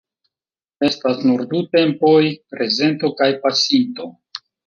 Estas nur du tempoj: prezento kaj pasinto.